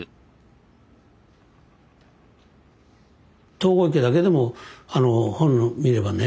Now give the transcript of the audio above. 東郷池だけでも本見ればね